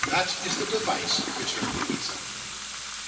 "That is the device," returned Louisa.